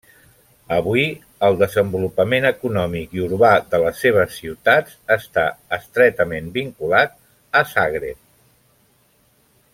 Avui, el desenvolupament econòmic i urbà de les seves ciutats està estretament vinculat a Zagreb.